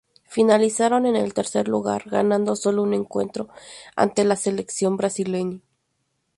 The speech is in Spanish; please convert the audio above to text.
Finalizaron en el tercer lugar, ganando sólo un encuentro ante la selección brasileña.